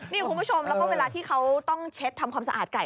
นี่คุณผู้ชมแล้วก็เวลาที่เขาต้องเช็ดทำความสะอาดไก่